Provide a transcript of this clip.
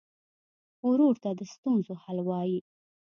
ورور ته د ستونزو حل وايي.